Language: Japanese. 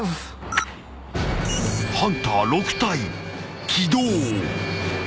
［ハンター６体起動］